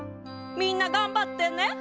みんながんばってね！